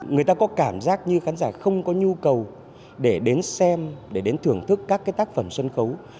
người ta có cảm giác như khán giả không có nhu cầu để đến xem để đến thưởng thức các tác phẩm sân khấu